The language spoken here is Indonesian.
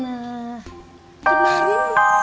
sampai jumpa lagi